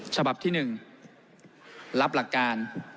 ฉบับที่๑รับหลักการ